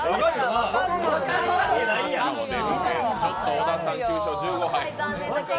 小田さん９勝１５敗。